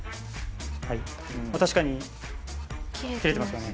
確かに切れてますよね。